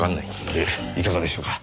でいかがでしょうか？